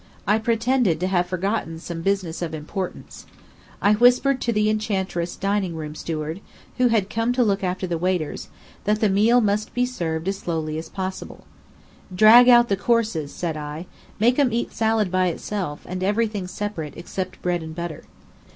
I pretended to have forgotten some business of importance. I whispered to the Enchantress dining room steward, who had come to look after the waiters, that the meal must be served as slowly as possible. "Drag out the courses," said I. "Make 'em eat salad by itself, and everything separate, except bread and butter."